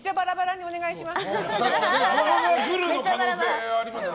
お願いします。